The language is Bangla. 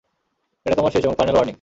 এটা তোমার শেষ এবং ফাইনাল ওয়ার্নিং।